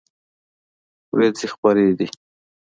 ورېځې خپری دي